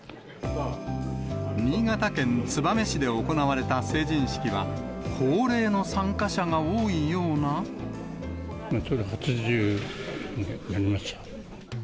新潟県燕市で行われた成人式は、ちょうど８０になりました。